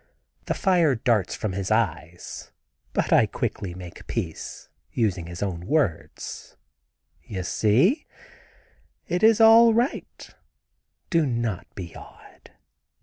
The fire darts from his eye, but I quickly make peace, using his own words: "You see, it is all right; do not be odd."